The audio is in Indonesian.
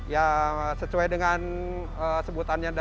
ya secuai dengan sebutannya